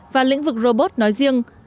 và lĩnh vực robot nói riêng